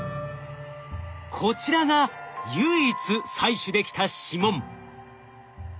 こちらが唯一採取できた指紋。